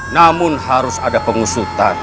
namun harus ada pengusutan